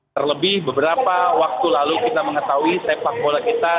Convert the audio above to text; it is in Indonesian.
terlebih beberapa waktu lalu kita mengetahui sepak bola kita